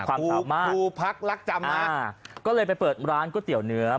ความข่าวมากครูพักรักจำมากอ่าก็เลยไปเปิดร้านก๋วยเตี๋ยวเนื้อ